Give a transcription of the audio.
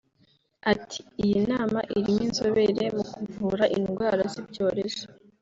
Ati″ Iyi nama irimo inzobere mu kuvura indwara z’ibyorezo